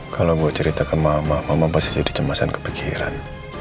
kalau bu cerita ke mama mama pasti jadi cemasan kepenciran